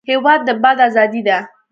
هېواد د باد ازادي ده.